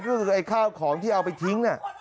ก็คือไอ้ข้าวของที่เอาไปทิ้งเนี่ย